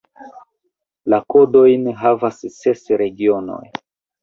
La kodojn havas ses regionoj.